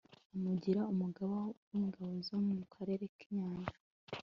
amugira umugaba w'ingabo zo mu karere k'inyanja